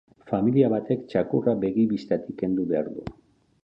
Familia batek txakurra begi-bistatik kendu behar du.